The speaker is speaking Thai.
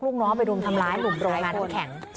ลูกน้องไปรุมทำร้ายหนุ่มโรงงานน้ำแข็ง